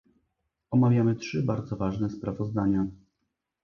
Omawiamy trzy bardzo ważne sprawozdania